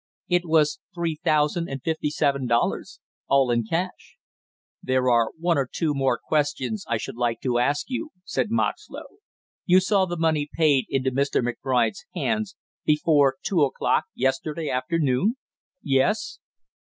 "It was three thousand and fifty seven dollars, all in cash." "There are one or two more questions I should like to ask you," said Moxlow. "You saw the money paid into Mr. McBride's hands before two o'clock yesterday afternoon?" "Yes."